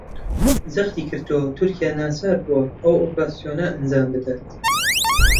جەختیکردەوە تورکیا ناچار بووە ئەو ئۆپەراسیۆنە ئەنجامبدات